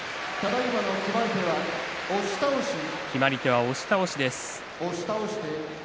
決まり手は押し倒しです。